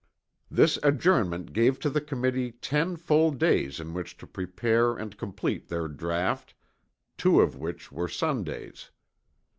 This adjournment gave to the Committee ten full days in which to prepare and complete their draught, two of which were Sundays.